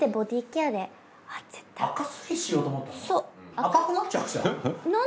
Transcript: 赤くなっちゃいません？